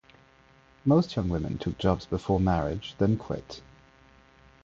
Most young women took jobs before marriage, then quit.